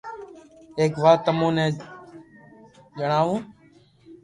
ايڪ وات تمون ني ڄڻاوو